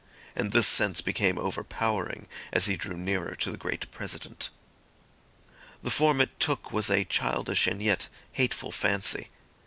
And this sense became overpowering as he drew nearer to the great President. The form it took was a childish and yet hateful fancy.